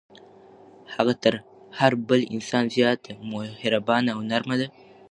هغه تر هر بل انسان زیاته مهربانه او نرمه ده.